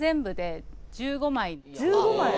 １５枚！？